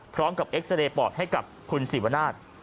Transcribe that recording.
พร้อมกับเอ็กซ์เรย์ปอดให้กับคุณศิวนาธ